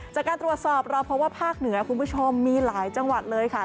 จากการตรวจสอบเราเพราะว่าภาคเหนือคุณผู้ชมมีหลายจังหวัดเลยค่ะ